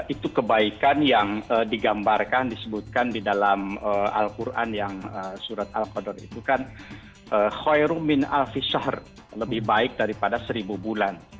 itu kebaikan yang digambarkan disebutkan di dalam al quran yang surat al qadar itu kan khairul min alfisah lebih baik daripada seribu bulan